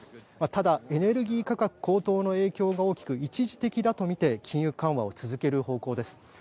ただ、エネルギー価格高騰の影響が大きく一時的だとみて金融緩和を続ける方向です。